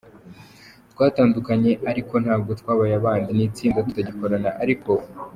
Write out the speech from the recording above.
twatandukanye ariko ntabwo twabaye abanzi, ni itsinda tutagikorana ariko